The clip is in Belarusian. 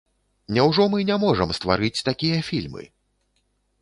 Няўжо мы не можам стварыць такія фільмы?